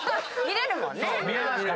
見れるもんね！